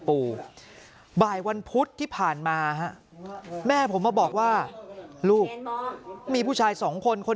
ปู่บ่ายวันพุธที่ผ่านมาฮะแม่ผมมาบอกว่าลูกมีผู้ชายสองคนคน